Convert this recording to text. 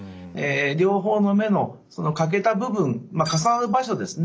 両方の目の欠けた部分重なる場所ですね